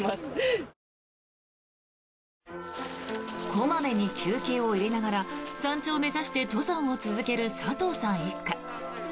小まめに休憩を入れながら山頂を目指して登山を続ける佐藤さん一家。